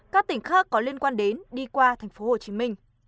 các tỉnh khác có liên quan đến đi qua tp hcm